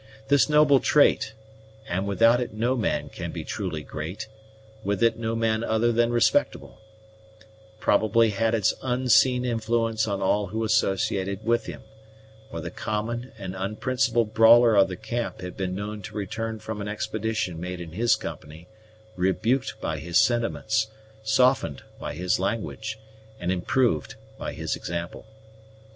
This noble trait and without it no man can be truly great, with it no man other than respectable probably had its unseen influence on all who associated with him; for the common and unprincipled brawler of the camp had been known to return from an expedition made in his company rebuked by his sentiments, softened by his language, and improved by his example.